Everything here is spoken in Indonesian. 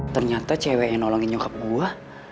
ternyata cewek yang nolongin nyukap gue